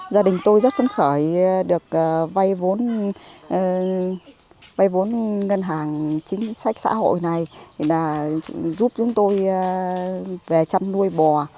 gia đình tôi rất phấn khởi được vay vốn ngân hàng chính sách xã hội này giúp chúng tôi về chăn nuôi bò